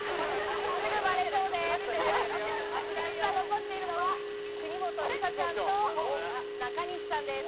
残っているのは、国本梨紗ちゃんと中西さんです。